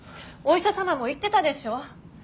お医者様も言ってたでしょ？